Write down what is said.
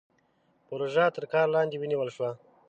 پروژه تر کار لاندې ونيول شوه.